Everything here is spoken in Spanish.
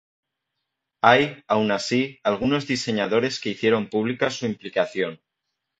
Hay, aun así, algunos diseñadores que hicieron pública su implicación.